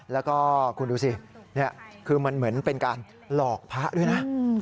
แล้วก็คุณดูสินี่คือมันเหมือนเป็นการหลอกพระด้วยนะ